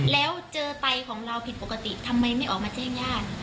แล้วเจอไตของเราผิดปกติทำไมไม่ออกมาแจ้งญาติ